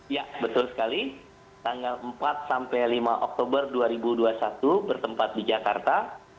ya betul sekali tanggal empat sampai lima oktober dua ribu dua puluh satu bertempat di jakarta